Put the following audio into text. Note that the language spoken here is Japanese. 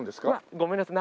ごめんなさい。